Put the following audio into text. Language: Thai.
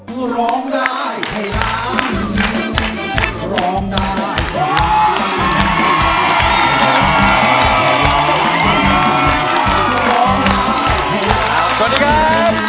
สวัสดีครับ